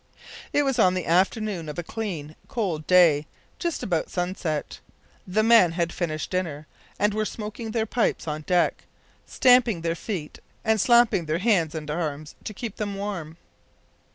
It was on the afternoon of a clear, cold day, just about sunset. The men had finished dinner and were smoking their pipes on deck, stamping their feet and slapping their hands and arms, to keep them warm.